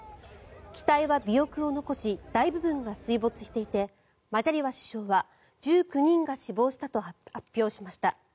機体は尾翼を残し大部分が水没していてマジャリワ首相は１９人が死亡したと発表しました。